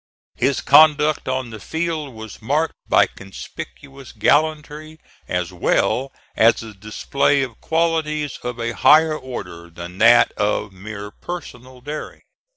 His conduct on the field was marked by conspicuous gallantry as well as the display of qualities of a higher order than that of mere personal daring.